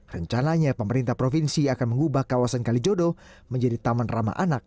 rencananya pemerintah provinsi akan mengubah kawasan kalijodo menjadi taman ramah anak